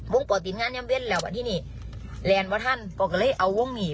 วงปอติดงานย่ำเว่นแล้วอันนี้แลนด์ว่าท่านปอก็เลยเอาวงนี่